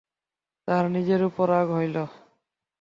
তাহার নিজের উপর রাগ হইল।